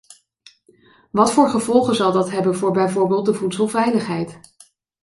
Wat voor gevolgen zal dat hebben voor bijvoorbeeld de voedselveiligheid?